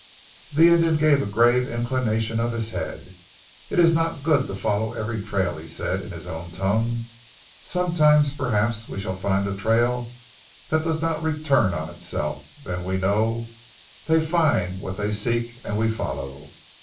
The Indian gave a grave inclination of his head. "It is not good to follow every trail," he said in his own tongue. "Sometime perhaps we shall find a trail that does not return on itself, then we know they find what they seek and we follow."